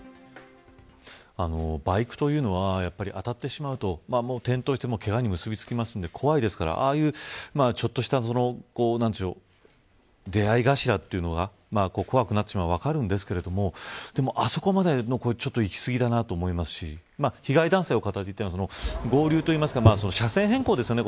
バイクというのは当たってしまうと転倒してけがに結びつきますので怖いですからああいうちょっとした出合い頭というのが怖くなってしまうのは分かるんですけどでも、あそこまではいきすぎだなと思いますし被害男性は合流というか車線変更ですよね。